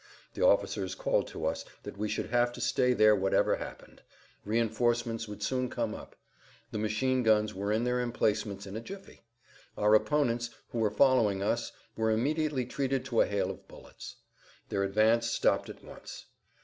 The officers called to us that we should have to stay there whatever happened; reinforcements would soon come up. The machine guns were in their emplacements in a jiffy. Our opponents, who were following us, were immediately treated to a hail of bullets. Their advance stopped at once.